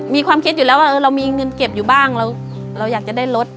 มีความคิดอยู่แล้วว่าเรามีเงินเก็บอยู่บ้างเราอยากจะได้รถ